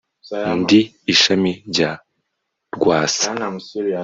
ndi ishami rya rwasa